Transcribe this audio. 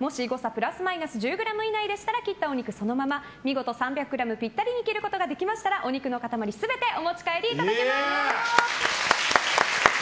もし誤差プラスマイナス１０ｇ以内でしたら切ったお肉そのままそして、見事３００ｇぴったりに切ることができましたらお肉の塊全てお持ち帰りいただけます。